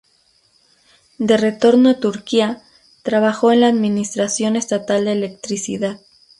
De retorno a Turquía, trabajó en la administración estatal de electricidad.